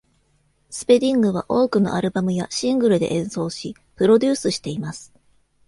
スペディングは多くのアルバムやシングルで演奏し、プロデュースしています。